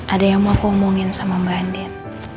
ada yang mau aku omongin sama mbak andien